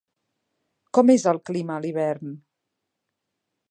Com és el clima a l'hivern?